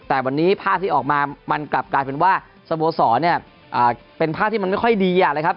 แต่วันนี้ภาพที่ออกมามันกลับกลายเป็นว่าสโมสรเนี่ยเป็นภาพที่มันไม่ค่อยดีนะครับ